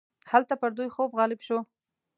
هلته پر دوی خوب غالب شو.